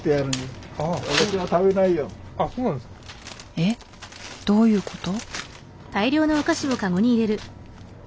えっどういうこと？